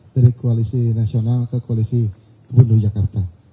dari koalisi nasional ke koalisi gubernur jakarta